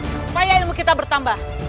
supaya ilmu kita bertambah